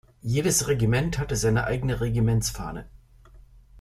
Jedes Regiment hatte seine eigene Regimentsfahne.